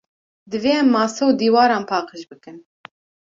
Divê em mase û dîwaran paqij bikin.